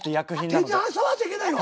手に触っちゃいけないの？